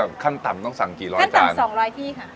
แล้วยังงี้แบบขั้นต่ำต้องสั่งกี่ร้อยจานขั้นต่ำสองร้อยที่ค่ะ